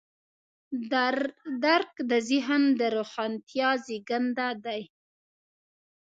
درک د ذهن د روښانتیا زېږنده دی.